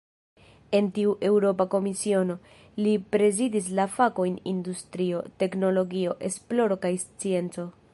En tiu Eŭropa Komisiono, li prezidis la fakojn "industrio, teknologio, esploro kaj scienco".